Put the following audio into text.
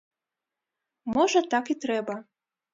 Можа, так і трэба.